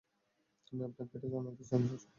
উনি আপনাকে এটা জানাতে চান, স্যার।